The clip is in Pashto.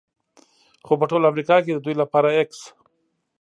خو په ټول امریکا کې د دوی لپاره x